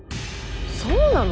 そうなの？